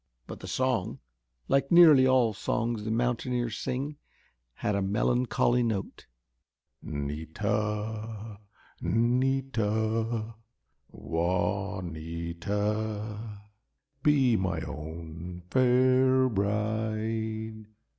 But the song, like nearly all songs the mountaineers sing, had a melancholy note. "'Nita, 'Nita, Juanita, Be my own fair bride."